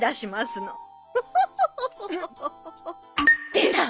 出た！